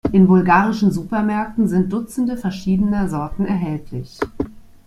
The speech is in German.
In bulgarischen Supermärkten sind dutzende verschiedener Sorten erhältlich.